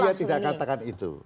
saya tidak katakan itu